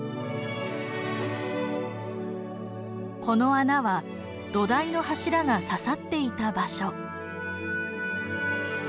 この穴は土台の柱が刺さっていた場所。